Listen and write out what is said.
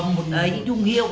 một đuông hiêu